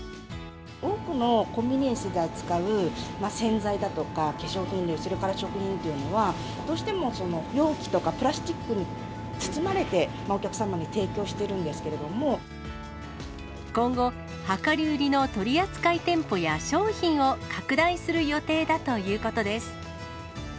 多くのコンビニエンスで扱う、洗剤だとか化粧品類、それから食品っていうのは、どうしても容器とか、プラスチックに包まれて、お客様に提供して今後、量り売りの取り扱い店舗や商品を拡大する予定だということです。